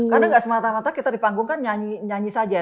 karena gak semata mata kita di panggung kan nyanyi nyanyi saja ya